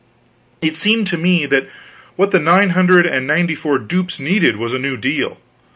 It seemed to me that what the nine hundred and ninety four dupes needed was a new deal.